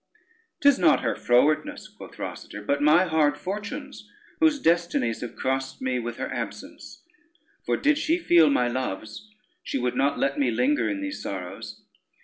"'Tis not her frowardness," quoth Rosader, "but my hard fortunes, whose destinies have crossed me with her absence; for did she feel my loves, she would not let me linger in these sorrows.